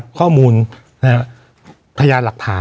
วันนี้แม่ช่วยเงินมากกว่า